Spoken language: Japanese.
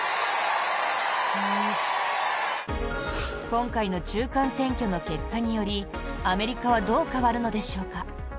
今回の中間選挙の結果によりアメリカはどう変わるのでしょうか？